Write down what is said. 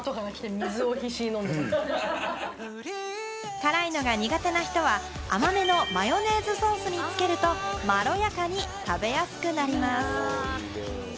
辛いのが苦手な人は、甘めのマヨネーズソースにつけるとまろやかに食べやすくなります。